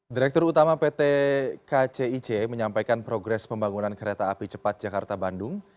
direktur utama pt kcic menyampaikan progres pembangunan kereta api cepat jakarta bandung